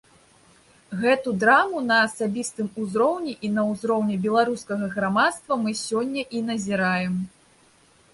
Гэту драму на асабістым узроўні і на ўзроўні беларускага грамадства мы сёння і назіраем.